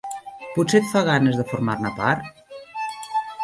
Potser et fa ganes de formar-ne part?